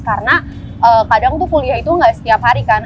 karena kadang tuh kuliah itu enggak setiap hari kan